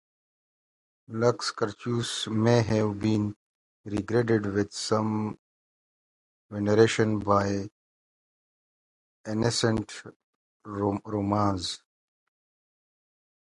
Lacus Curtius may have been regarded with some veneration by ancient Romans.